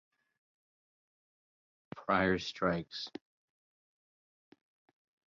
Prior strikes